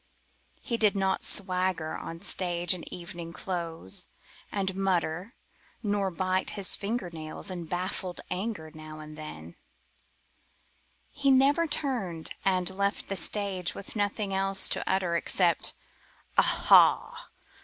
He did not swagger on the stage in evening clothes, and mutter, Nor bite his finger nails in baffled anger now and then; He never turned and left the stage with nothing else to utter Except: "Aha!